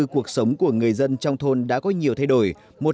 cuộc sống của người dân trong thôn đã có nhiều thay đổi